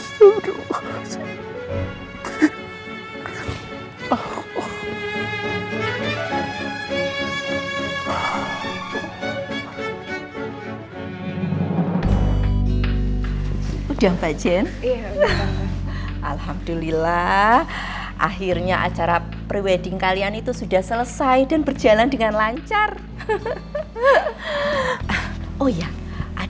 sampai jumpa di video selanjutnya